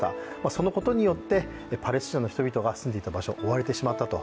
そのことによってパレスチナの人が住んでいた場所を追われてしまったと。